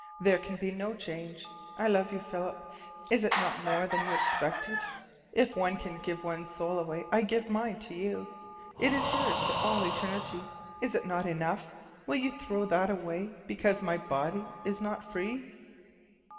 There can be no change. I love you, Philip. Is that not more than you expected? If one can give one's soul away, I give mine to you. It is yours for all eternity. Is it not enough? Will you throw that away because my body is not free?"